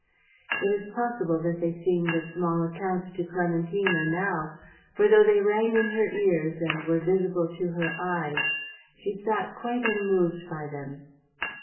It is possible that they seemed of small account to Clementina now, for though they rang in ears and were visible to her eyes, she sat quite unmoved by them.